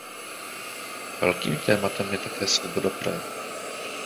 Velkým tématem je také svoboda projevu.